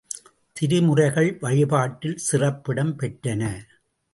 திருமுறைகள் வழிபாட்டில் சிறப்பிடம் பெற்றன.